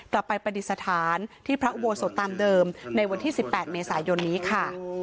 ไปปฏิสถานที่พระอุโบสถตามเดิมในวันที่๑๘เมษายนนี้ค่ะ